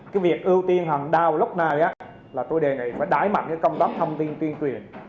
cái việc ưu tiên hẳn đau lúc nào đó là tôi đề nghị phải đái mạnh công tác thông tin tuyên truyền